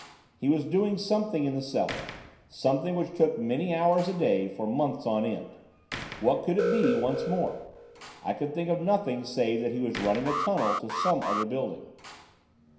He was doing something in the cellar—something which took many hours a day for months on end. What could it be, once more? I could think of nothing save that he was running a tunnel to some other building.